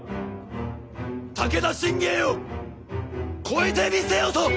武田信玄を超えてみせよと！